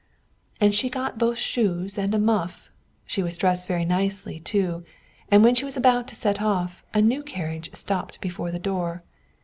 And she got both shoes and a muff; she was dressed very nicely, too; and when she was about to set off, a new carriage stopped before the door.